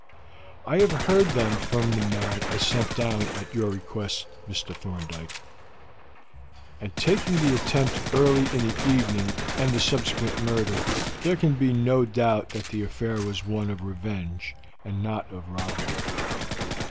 "I have heard them from the man I sent down at your request, Mr. Thorndyke, and taking the attempt early in the evening and the subsequent murder, there can be no doubt that the affair was one of revenge, and not of robbery.